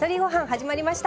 始まりました。